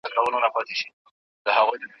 هغه سیمي چي غصب شوي وي بیرته نه ورکول کیږي.